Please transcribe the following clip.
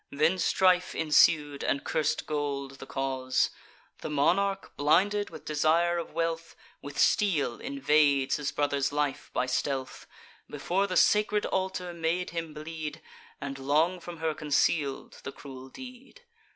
Then strife ensued, and cursed gold the cause. The monarch, blinded with desire of wealth, With steel invades his brother's life by stealth; Before the sacred altar made him bleed, And long from her conceal'd the cruel deed.